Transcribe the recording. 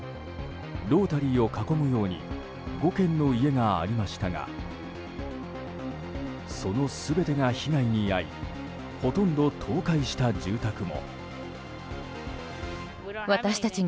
ロータリーを囲むように５軒の家がありましたがその全てが被害に遭いほとんど倒壊した住宅も。